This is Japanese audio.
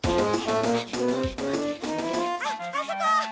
あっあそこ！